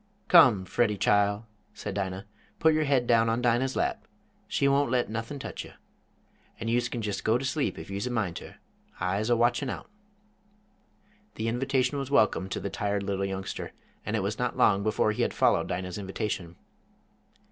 "Come, Freddie chile," said Dinah, "put yer head down on Dinah's lap. She won't let nothin' tech you. An' youse kin jest go to sleep if youse a mind ter. I'se a watchin' out." The invitation was welcome to the tired little youngster, and it was not long before he had followed Dinah's invitation.